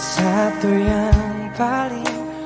satu yang paling